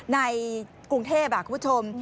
ในกรุงเทพคุณผู้ชม